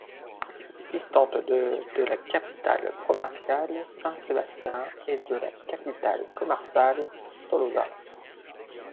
Distante de de la capitale provinciale, Saint-Sébastien et de la capitale comarcale, Tolosa.